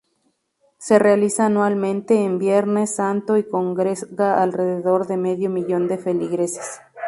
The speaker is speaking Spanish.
Se realiza anualmente en Viernes Santo y congrega alrededor de medio millón de feligreses.